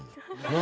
何？